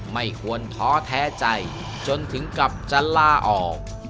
ไม่ควรท้อแท้ใจจนถึงกับจะลาออก